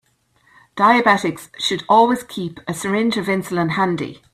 Diabetics should always keep a syringe of insulin handy.